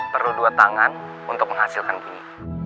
perlu dua tangan untuk menghasilkan gini